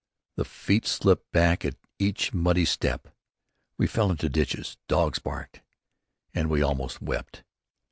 The feet slipped back at each muddy step: We fell into ditches: Dogs barked: And we almost wept.